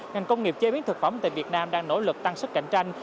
ngành công nghiệp chế biến thực phẩm tại việt nam đang nỗ lực tăng sức cạnh tranh